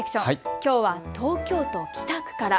きょうは東京都北区から。